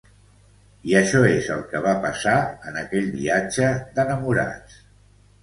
I això és el que va passar en aquell viatge d'enamorats.